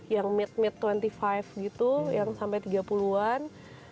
yang mid mid dua puluh lima gitu yang sampai tiga puluh an